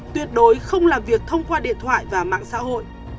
tuyệt đối không làm việc thông qua điện thoại và mạng xã hội